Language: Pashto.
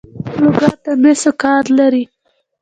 لوګر د مسو کان لري